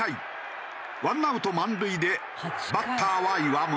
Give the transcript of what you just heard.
１アウト満塁でバッターは岩村。